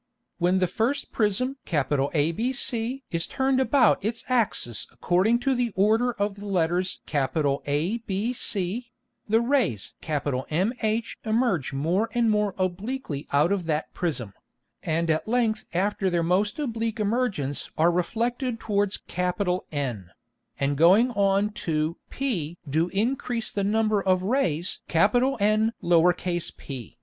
When the first Prism ABC is turned about its Axis according to the order of the Letters ABC, the Rays MH emerge more and more obliquely out of that Prism, and at length after their most oblique Emergence are reflected towards N, and going on to p do increase the Number of the Rays N_p_.